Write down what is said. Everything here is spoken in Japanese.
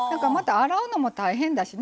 洗うのも大変だし。